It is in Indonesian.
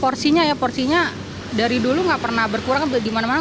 porsinya ya porsinya dari dulu nggak pernah berkurang di mana mana